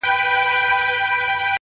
نیک عمل تل خپل اغېز پرېږدي!